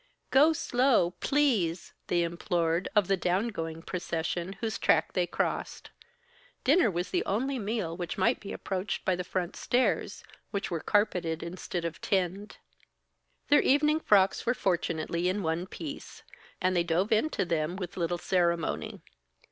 "Go slow please!" they implored of the down going procession whose track they crossed. Dinner was the only meal which might be approached by the front stairs, which were carpeted instead of tinned. Their evening frocks were fortunately in one piece, and they dove into them with little ceremony.